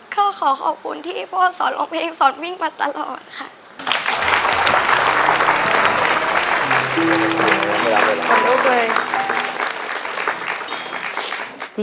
ก็ขอขอบคุณที่พ่อสอนร้องเพลงสอนวิ่งมาตลอดค่ะ